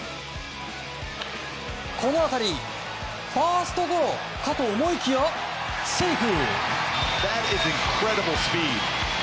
この当たりファーストゴロかと思いきやセーフ！